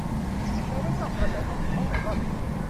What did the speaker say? เธอไม่ชอบกระแสของถุงน่องไนลอน